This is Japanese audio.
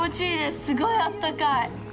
すごいあったかい。